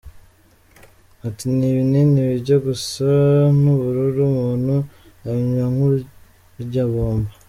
Ati “ Ni ibinini bijya gusa n’ubururu umuntu abinywa nk’urya bombo.